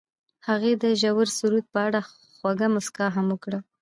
هغې د ژور سرود په اړه خوږه موسکا هم وکړه.